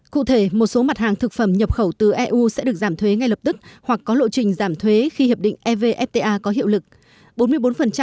cụ thể một số mặt hàng thực phẩm nhập khẩu từ eu sẽ được giảm thuế ngay lập tức hoặc có lộ trình giảm thuế khi hiệp định evfta có hiệu lực